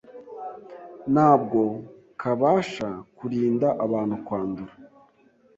ntabwo kabasha kurinda abantu kwandura